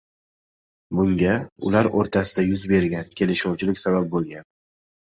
Bunga ular o‘rtasida yuz bergan kelishmovchilik sabab bo‘lgan